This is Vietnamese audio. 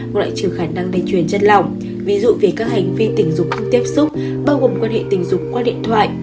một loại trừ khả năng lây chuyển chất lỏng ví dụ về các hành vi tình dục không tiếp xúc bao gồm quan hệ tình dục qua điện thoại